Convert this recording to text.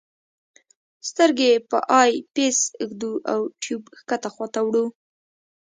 سترګې په آی پیس ږدو او ټیوب ښکته خواته وړو.